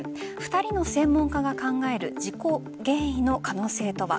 ２人の専門家が考える事故原因の可能性とは。